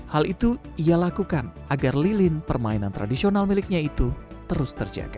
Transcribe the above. hal itu ia lakukan agar lilin permainan tradisional miliknya itu terus terjaga